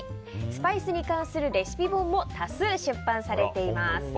スパイスに関するレシピ本も多数出版されています。